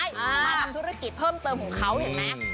มาทำธุรกิจเพิ่มเติมของเขาเห็นไหม